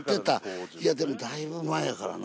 いやでもだいぶ前やからな。